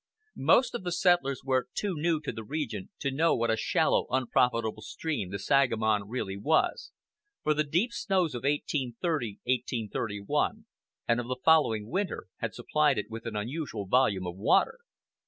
Most of the settlers were too new to the region to know what a shallow, unprofitable stream the Sangamon really was, for the deep snows of 183031 and of the following winter had supplied it with an unusual volume of water.